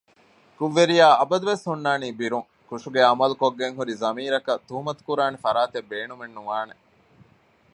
ކުށްވެރިޔާ އަބަދުވެސް ހުންނާނީ ބިރުން ކުށުގެ ޢަމަލު ކޮށްގެންހުރި ޟަމީރަކަށް ތުހުމަތުކުރާނެ ފަރާތެއް ބޭނުމެއް ނުވާނެ